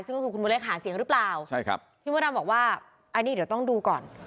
ซึ่งก็คือคุณบริษัทธิ์หาเสียงหรือเปล่าพี่มดดำบอกว่าอันนี้เดี๋ยวต้องดูก่อน